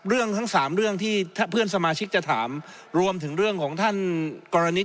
ทั้งสามเรื่องที่ถ้าเพื่อนสมาชิกจะถามรวมถึงเรื่องของท่านกรณิต